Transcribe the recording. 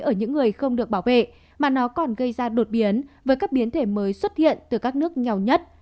ở những người không được bảo vệ mà nó còn gây ra đột biến với các biến thể mới xuất hiện từ các nước nghèo nhất